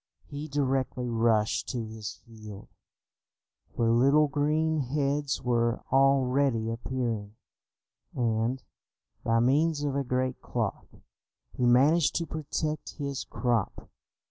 He directly rushed to his field, where little green heads were already appearing, and, by means of a great cloth, he managed to protect his crop.